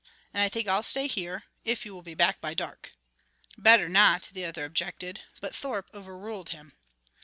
And I think I'll stay here, if you will be back by dark." "Better not," the other objected; but Thorpe overruled him.